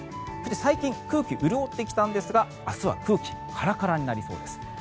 そして最近空気は潤ってきたんですが明日は空気カラカラになりそうです。